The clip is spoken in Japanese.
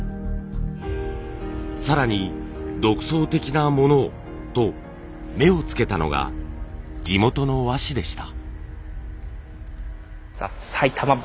「更に独創的なものを」と目をつけたのが地元の和紙でした。